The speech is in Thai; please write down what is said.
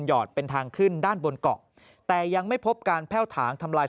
หอดเป็นทางขึ้นด้านบนเกาะแต่ยังไม่พบการแพ่วถางทำลาย